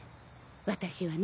私はね